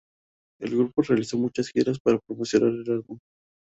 El grupo realizó muchas giras para promocionar el álbum.